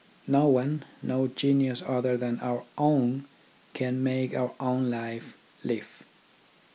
No one, no genius other than our own, can make our own life live.